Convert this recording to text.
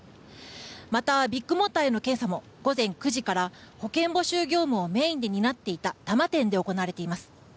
またビッグモーターへの検査も午前９時から保険募集業務をメインで担っていた多摩店で行われています。